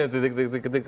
ya artinya di mana ya